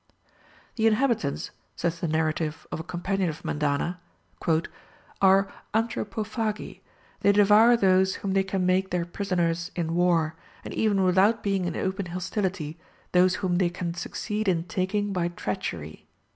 "The inhabitants," says the narrative of a companion of Mendana, "are anthropophagi, they devour those whom they can make their prisoners in war, and even without being in open hostility, those whom they can succeed in taking by treachery."